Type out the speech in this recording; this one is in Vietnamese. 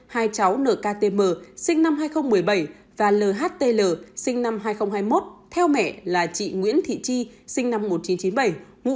hai cháu nktm sinh năm hai nghìn một mươi bảy và lhtl sinh năm hai nghìn hai mươi một theo mẹ là chị nguyễn thị chi sinh năm một nghìn chín trăm chín mươi bảy